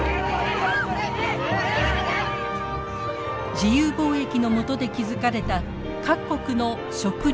自由貿易のもとで築かれた各国の食料安全保障。